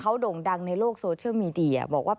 เขาโด่งดังในโลกโซเชียลมีเดียบอกว่า